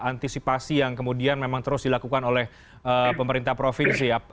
antisipasi yang kemudian memang terus dilakukan oleh pemerintah provinsi ya